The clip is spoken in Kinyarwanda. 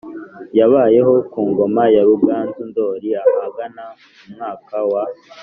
Yabayeho ku ngoma ya Ruganzu Ndoli ahagana mu mwaka wa